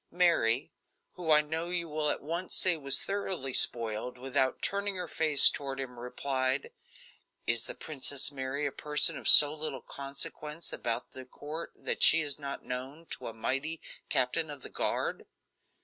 Mary, who I know you will at once say was thoroughly spoiled, without turning her face toward him, replied: "Is the Princess Mary a person of so little consequence about the court that she is not known to a mighty captain of the guard?"